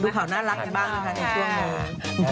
ดูเขาน่ารักอย่างบ้างค่ะในช่วงหน้า